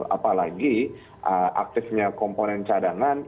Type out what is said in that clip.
apalagi aktifnya komponen cadangan